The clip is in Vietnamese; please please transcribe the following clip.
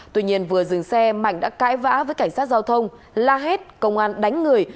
tuy nhiên vừa dừng xe mạnh đã cãi vã với cảnh sát giao thông la hét công an đánh người